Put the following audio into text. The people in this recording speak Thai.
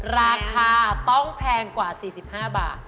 ราคาต้องแพงกว่า๔๕บาท